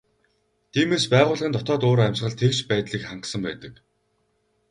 Тиймээс байгууллагын дотоод уур амьсгал тэгш байдлыг хангасан байдаг.